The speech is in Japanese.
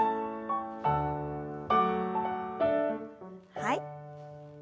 はい。